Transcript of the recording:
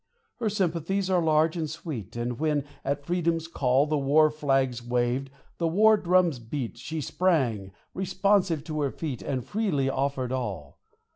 Her sympathies are large and sweet : And when, at freedom's call, The war flags waved, the war drums beat, She sprang, responsive, to her feet, And freely offered all